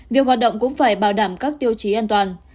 việc hoạt động cũng phải bảo đảm các tiêu chí an toàn